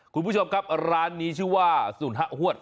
คุณผู้ชมครับร้านนี้ชื่อว่าศูนย์ฮะหวด